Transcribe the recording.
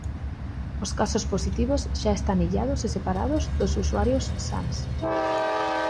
Os casos positivos xa están illados e separados dos usuarios sans.